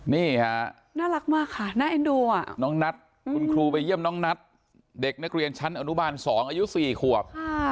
นี่ค่ะน่ารักมากค่ะน่าเอ็นดูอ่ะน้องนัทคุณครูไปเยี่ยมน้องนัทเด็กนักเรียนชั้นอนุบาล๒อายุ๔ขวบ